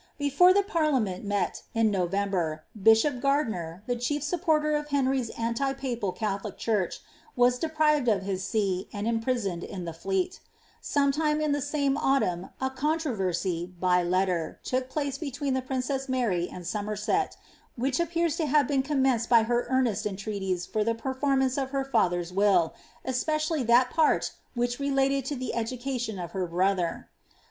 Before the parliament rael, in Novembi bishop Gardiner, the chief supporter of Henry's anti papal Calhofll church, was deprived of his sec, and imprisoned in the Tleet, Son limp in the same autumn, a controversy, by letter, took place betWM thp princess Mary and Somerset,' which appears to have be nienced by her earnest entreaties for the performance of her will, especially that part which related to the education of her brother.